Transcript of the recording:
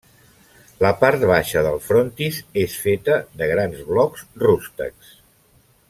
La part baixa del frontis és feta de grans blocs rústecs.